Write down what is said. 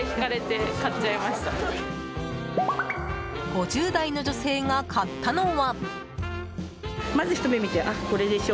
５０代の女性が買ったのは。